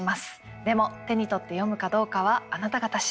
でも手に取って読むかどうかはあなた方次第。